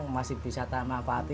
masih bisa tanah pahati